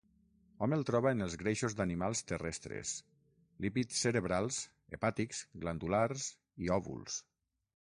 Hom el troba en els greixos d'animals terrestres, lípids cerebrals, hepàtics, glandulars i òvuls.